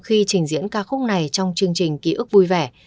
khi trình diễn ca khúc này trong chương trình ký ức vui vẻ